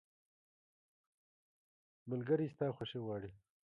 ملګری ستا خوښي غواړي.